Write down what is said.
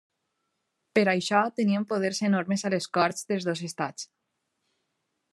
Per això tenien poders enormes a les corts dels dos estats.